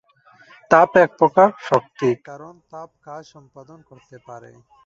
তাপ এক প্রকার শক্তি কারণ তাপ কাজ সম্পাদন করতে পারে।